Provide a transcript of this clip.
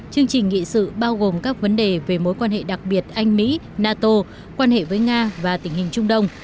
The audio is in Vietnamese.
chương trình nghị sự bao gồm các vấn đề về mối quan hệ đặc biệt anh mỹ nato quan hệ với nga và tình hình trung đông